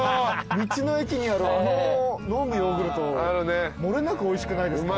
道の駅にあるのむヨーグルト漏れなくおいしくないですか？